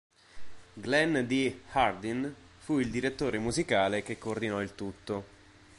Glen D. Hardin fu il direttore musicale che coordinò il tutto.